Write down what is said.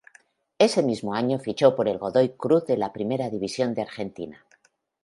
Ese mismo año fichó por el Godoy Cruz de la Primera División de Argentina.